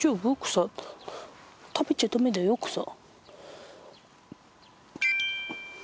草食べちゃダメだよ草